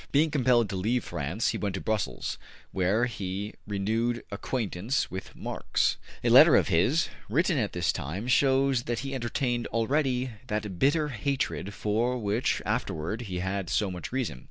Being compelled to leave France, he went to Brussels, where he renewed acquaintance with Marx. A letter of his, written at this time, shows that he entertained already that bitter hatred for which afterward he had so much reason.